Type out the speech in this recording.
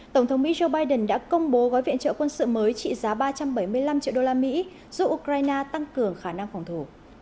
tổng thống mỹ joe biden đã công bố gói viện trợ quân sự mới trị giá ba trăm bảy mươi năm triệu đô la mỹ giúp ukraine tăng cường khả năng phòng thủ